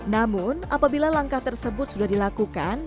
namun apabila langkah tersebut sudah dilakukan